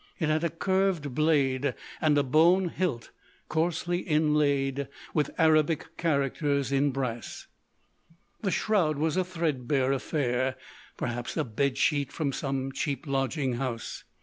It had a curved blade and a bone hilt coarsely inlaid with Arabic characters in brass. The shroud was a threadbare affair—perhaps a bed sheet from some cheap lodging house.